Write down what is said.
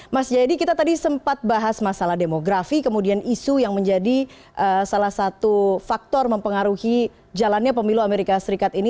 mas jayadi kita tadi sempat bahas masalah demografi kemudian isu yang menjadi salah satu faktor mempengaruhi jalannya pemilu amerika serikat ini